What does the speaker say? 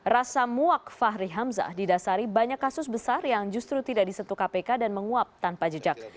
rasa muak fahri hamzah didasari banyak kasus besar yang justru tidak disentuh kpk dan menguap tanpa jejak